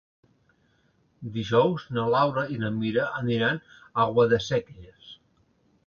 Dijous na Laura i na Mira aniran a Guadasséquies.